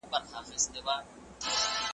د خپل هنر او ضمناً د عقل کمال وښيي